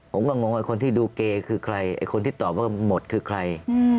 ผมก็งงไอ้คนที่ดูเกย์คือใครไอ้คนที่ตอบว่าหมดคือใคร